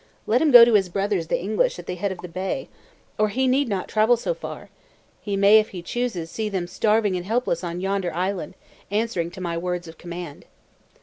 Let him go to his brothers, the English, at the head of the Bay. Or he need not travel so far. He may, if he chooses, see them starving and helpless on yonder island; answering to my words of command.